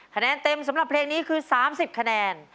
คะแนนเต็มสำหรับเพลงนี้คือ๓๐คะแนน